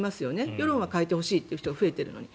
世論は変えてほしいという人が増えているのに。